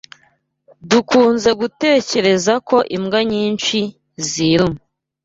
Dukunze gutekereza ko imbwa nyinshi ziruma.